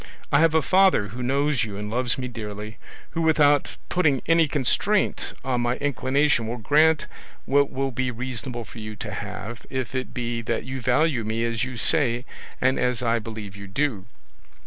I have a father who knows you and loves me dearly, who without putting any constraint on my inclination will grant what will be reasonable for you to have, if it be that you value me as you say and as I believe you do."